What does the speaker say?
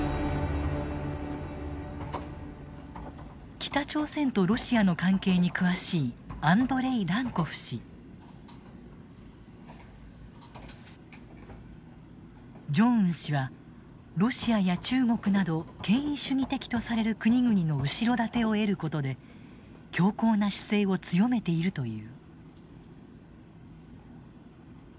北朝鮮とロシアの関係に詳しいジョンウン氏はロシアや中国など権威主義的とされる国々の後ろ盾を得ることで強硬な姿勢を強めているという。